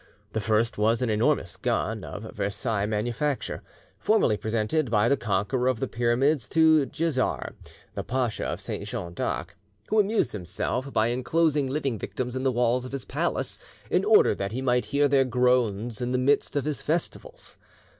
The first was an enormous gun, of Versailles manufacture, formerly presented by the conqueror of the Pyramids to Djezzar, the Pacha of St. Jean d'Arc, who amused himself by enclosing living victims in the walls of his palace, in order that he might hear their groans in the midst of his festivities.